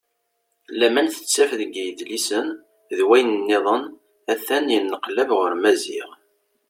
Laman tettaf deg yidlisen d wayen-nniḍen a-t-an yenneqlab ɣur Maziɣ.